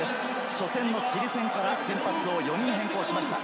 初戦のチリ戦から先発を４人変更しました。